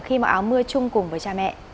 khi mặc áo mưa chung cùng với cha mẹ